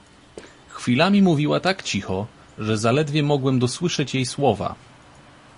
"Chwilami mówiła tak cicho, że zaledwie mogłem dosłyszeć jej słowa."